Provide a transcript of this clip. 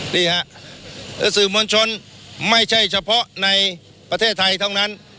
นี่ฮะสื่อมวลชนไม่ใช่เฉพาะในประเทศไทยเท่านั้น